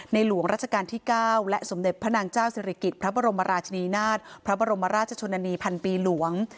หลวงราชการที่๙และสมเด็จพระนางเจ้าศิริกิจพระบรมราชนีนาฏพระบรมราชชนนานีพันปีหลวง